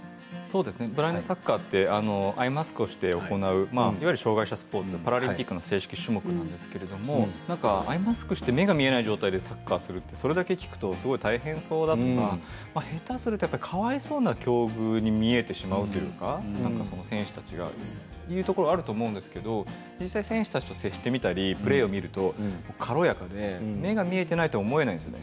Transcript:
ブラインドサッカーってアイマスクをして行ういわゆる障害者スポーツパラリンピックの正式種目なんですけれどもアイマスクして目が見えない状態でサッカーするとそれだけ聞くとすごく大変そうだなと下手するとかわいそうな境遇に見えてしまうというか選手たちがというところがあると思うんですけど実際、選手たちと接してみたりプレーを見ると軽やかで目が見えていないと思えないんですよね。